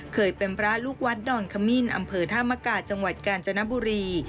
เคยเป็นพระลูกวัดดอนขมิ้นอำเภอธามกาจังหวัดกาญจนบุรี